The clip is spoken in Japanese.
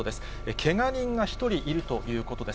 けが人が１人いるということです。